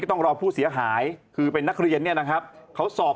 ต้องรอผู้เสียหายคือเป็นนักเรียนเนี่ยนะครับเขาสอบ